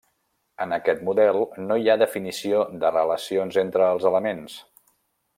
En aquest model no hi ha definició de relacions entre els elements.